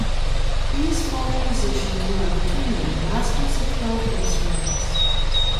These four musicians were, between them, masters of twelve instruments.